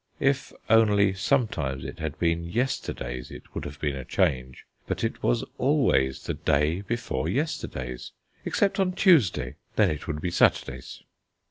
If only sometimes it had been yesterday's it would have been a change. But it was always the day before yesterday's; except on Tuesday; then it would be Saturday's.